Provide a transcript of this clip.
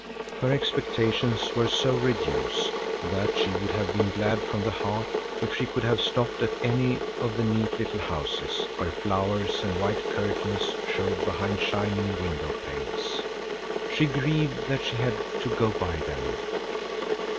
Her expectations were so reduced that she would have been glad from the heart if she could have stopped at any of the neat little houses, where flowers and white curtains showed behind shining window panes. She grieved that she had to go by them.